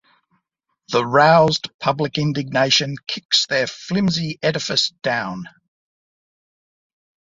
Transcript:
The roused public indignation kicks their flimsy edifice down.